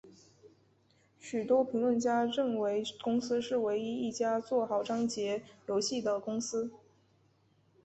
许多评论家认为公司是唯一一家做好章节游戏的公司。